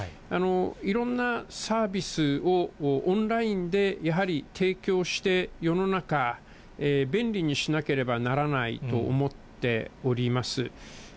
いろんなサービスを、オンラインでやはり提供して、世の中便利にしなければならないと思っております。